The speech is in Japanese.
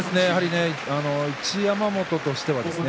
一山本としてはですね。